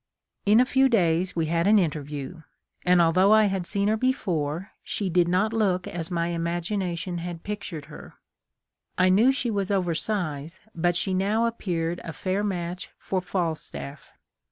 In a few days we had an inter view ; and, although I had seen her before, she did not look as my imagination had pictured her. I knew she was over size, but she now appeared a fair match for Falstaff.